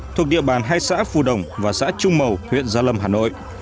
thuộc địa bàn hai xã phù đồng và xã trung mầu huyện gia lâm hà nội